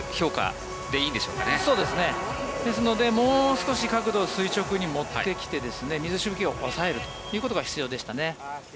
そうですね、ですのでもう少し角度を垂直に持ってきて水しぶきを抑えるということが必要でしたね。